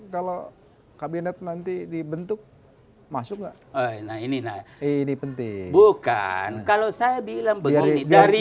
kalau kabinet nanti dibentuk masuk nah ini nah ini penting bukan kalau saya bilang begini dari